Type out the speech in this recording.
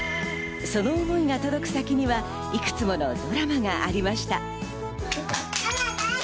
その想いが届く先には、いくつものドラマがありました。